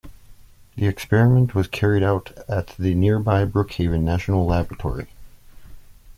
The experiment was carried out at the nearby Brookhaven National Laboratory.